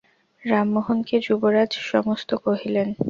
রামমােহনকে যুবরাজ সমস্ত কহিলেন।